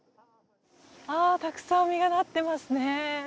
たくさん実がなっていますね。